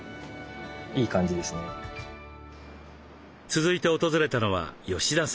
続いて訪れたのは吉田さん。